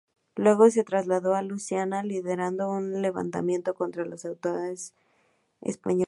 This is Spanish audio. Luego se trasladó a Louisiana, liderando un levantamiento contra las autoridades Españolas.